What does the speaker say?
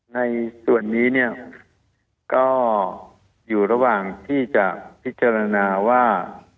ในส่วนนี้เนี่ยก็อยู่ระหว่างที่จะพิจารณาว่า